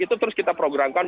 itu terus kita programkan